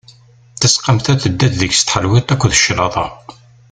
Tasqamt-a tedda deg-s tḥelwiḍt akked claḍa.